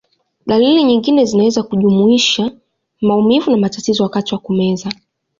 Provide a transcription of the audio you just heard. Dalili nyingine zinaweza kujumuisha maumivu na matatizo wakati wa kumeza.